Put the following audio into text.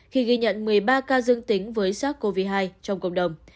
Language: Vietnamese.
khi ghi nhận một mươi ba ca dương tính với sars cov hai trong cộng đồng